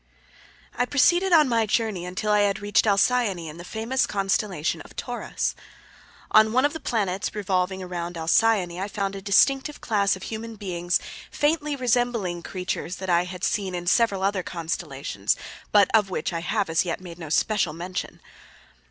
I proceeded on my journey until I had reached Alcyone in the famous constellation of Taurus. On one of the planets revolving around Alcyone, I found a distinctive class of human beings faintly resembling creatures that I had seen in several other constellations, but of which I have, as yet, made no special mention.